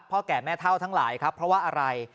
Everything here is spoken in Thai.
แก่แม่เท่าทั้งหลายครับเพราะว่าอะไร